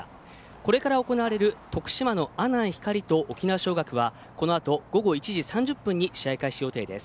これから行われる徳島の阿南光と沖縄尚学はこのあと午後１時３０分に試合開始予定です。